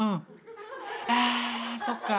あそっか。